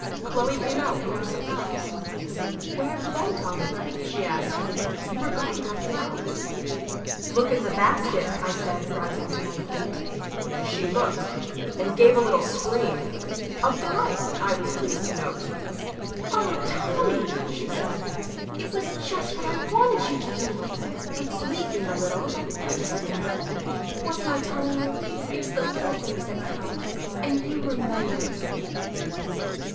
Chloe came out and looked surprised. "Where have you been, Tommy?" she asked. "You were gone when I came out." "Look in the basket," I said, rising to my feet. She looked, and gave a little scream of delight, I was pleased to note. "Oh, Tommy!" she said. "It was just what I wanted you to do. It's leaking a little, but that doesn't matter. Wasn't I telling you? It's the little things that count. And you remembered."